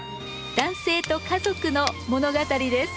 男性と家族の物語です。